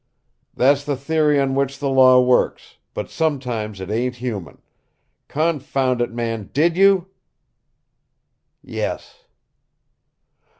"That's the theory on which the law works, but sometimes it ain't human. Confound it, man, DID YOU?" "Yes."